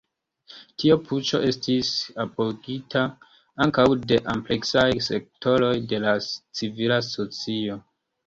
Tiu puĉo estis apogita ankaŭ de ampleksaj sektoroj de la civila socio.